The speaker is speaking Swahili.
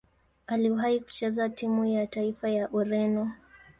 Aliwahi kucheza timu ya taifa ya Ureno.